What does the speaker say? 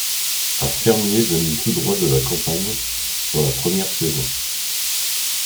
Un fermier venu tout droit de la campagne, dans la première saison.